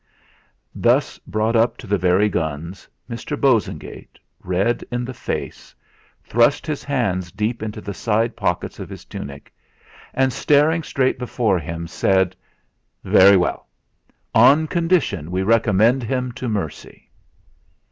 Thus brought up to the very guns, Mr. Bosengate, red in the face, thrust his hands deep into the side pockets of his tunic, and, staring straight before him, said: "Very well; on condition we recommend him to mercy."